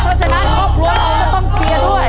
เพราะฉะนั้นครอบครัวเราก็ต้องเคลียร์ด้วย